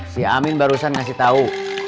si amin barusan ngasih tahu